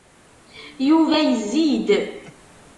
Yuba yezzi-d